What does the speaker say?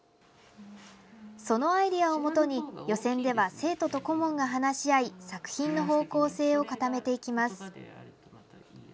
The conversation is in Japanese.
そのアイデアをもとに予選では生徒と顧問が話し合い作品の方向性を固めていきます。